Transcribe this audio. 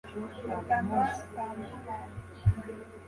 Adama Tamboura